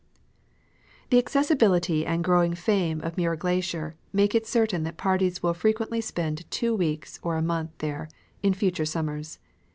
The accessibility and growing fame of Muir glacier make it certain that parties will frequently spend two weeks or a month there in future sum mers.